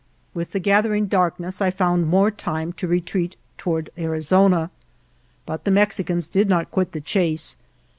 With the gathering darkness I found more time to retreat toward Arizona. But the Mex icans did not quit the chase.